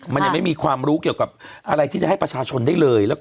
มันยังไม่มีความรู้เกี่ยวกับอะไรที่จะให้ประชาชนได้เลย